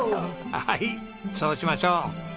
はいそうしましょう！